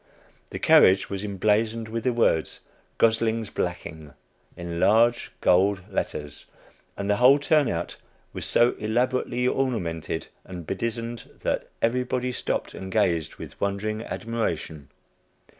The carriage was emblazoned with the words "Gosling's Blacking," in large gold letters, and the whole turnout was so elaborately ornamented and bedizened that everybody stopped and gazed with wondering admiration.